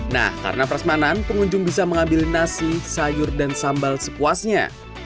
nah karena prasmanan pengunjung bisa mengambil nasi sayur dan sambal sepuasnya